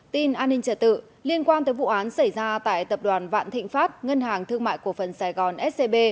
tin an ninh trật tự liên quan tới vụ án xảy ra tại tập đoàn vạn thịnh pháp ngân hàng thương mại cổ phần sài gòn scb